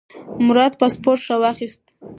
مراد پاسپورت راواخیست.